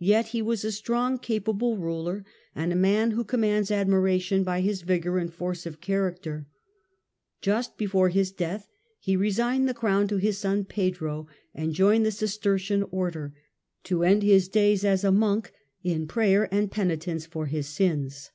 Yet he was a strong, capable ruler, and a man who commands ad miration by his vigour and force of character. Just be fore his death, he resigned the Crown to his son Pedro, and joined the Cistercian Order, to end his days as a monk in prayer and penitence for his sins.